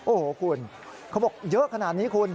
โอ้โหคุณเขาบอกเยอะขนาดนี้คุณ